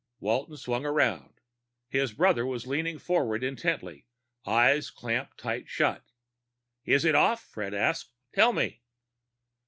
_" Walton swung around. His brother was leaning forward intently, eyes clamped tight shut. "Is it off?" Fred asked. "Tell me!"